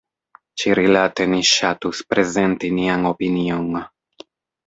Ĉi-rilate ni ŝatus prezenti nian opinion.